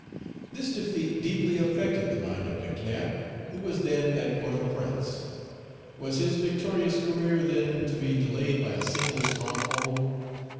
This defeat deeply affected the mind of Leclerc, who was then at Port au Prince. Was his victorious career, then, to be delayed by a single stronghold?